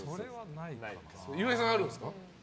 岩井さん、あるんですか？